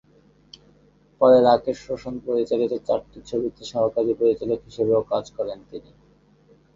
পরে রাকেশ রোশন পরিচালিত চারটি ছবিতে সহকারী পরিচালক হিসেবেও কাজ করেন তিনি।